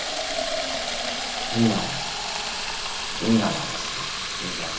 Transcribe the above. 本名いい名前だしいいと思う。